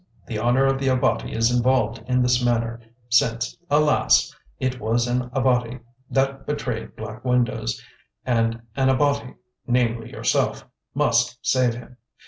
The honour of the Abati is involved in this manner, since, alas! it was an Abati that betrayed Black Windows, and an Abati—namely, yourself—must save him.